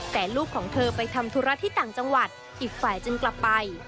แต่ลูกของเธอไปทำธุระที่ต่างจังหวัดอีกฝ่ายจึงกลับไป